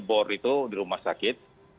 bor itu di rumah sakit